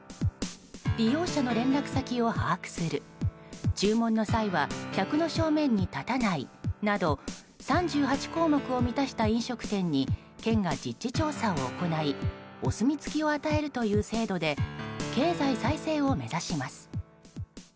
利用者の連絡先を把握する注文の際は客の正面に立たないなど３８項目を満たした飲食店に県が実地調査を行いお墨付きを与えるという制度で経済再生を目指します。